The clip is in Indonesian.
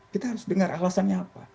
kita harus dengar alasannya apa